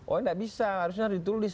oh nggak bisa harusnya ditulis